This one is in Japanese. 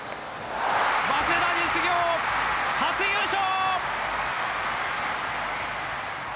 早稲田実業、初優勝！